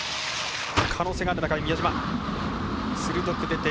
可能性がある中で宮嶋。